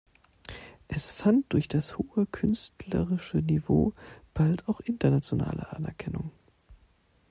Es fand durch das hohe künstlerische Niveau bald auch internationale Anerkennung.